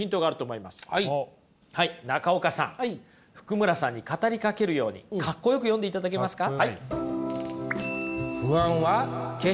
福村さんに語りかけるようにかっこよく読んでいただけますか？